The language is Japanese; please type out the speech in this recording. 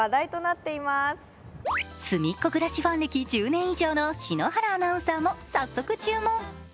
ぐらしファン歴１０年以上の篠原アナウンサーも早速注文。